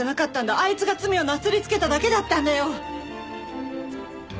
あいつが罪をなすりつけただけだったんだよ！